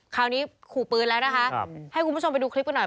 ขู่ปืนแล้วนะคะให้คุณผู้ชมไปดูคลิปกันหน่อย